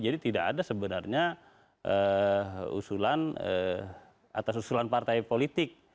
jadi tidak ada sebenarnya atas usulan partai politik